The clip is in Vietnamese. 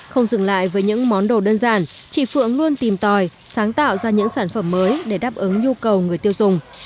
không dừng lại với những món đồ đơn giản chị phượng luôn tìm tòi sáng tạo ra những sản phẩm mới để đáp ứng nhu cầu người tiêu dùng